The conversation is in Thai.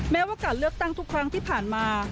แม้ว่าการเลือกตั้งทุกครั้งที่ผ่านมา